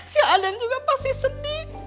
si aldan juga pasti sedih